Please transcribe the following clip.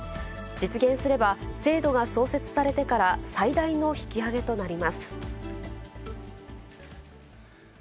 実現すれば、制度が創設されてから最大の引き上げとなります。